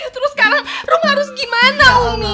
ya terus sekarang rum harus gimana umi